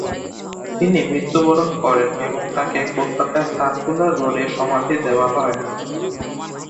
তিনি মৃত্যুবরণ করেন এবং তাকে কলকাতার সার্কুলার রোডে সমাধি দেওয়া হয়।